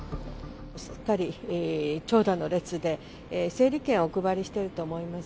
すっかり長蛇の列で、整理券をお配りしていると思います。